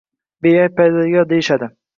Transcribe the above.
Beayb parvardigor deyishadi